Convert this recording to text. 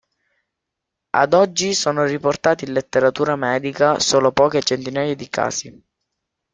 Ad oggi sono riportati in letteratura medica solo poche centinaia di casi.